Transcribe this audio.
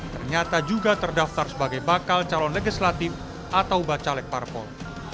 ternyata juga terdaftar sebagai bakal calon legislatif atau bacalek parpol